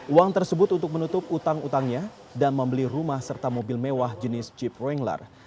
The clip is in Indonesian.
uang tersebut untuk menutup utang utangnya dan membeli rumah serta mobil mewah jenis jeep wrangler